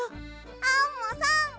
アンモさん！